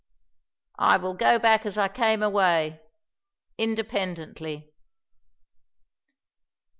"I will go back as I came away independently."